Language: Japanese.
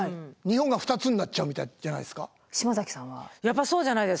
やっぱそうじゃないですか。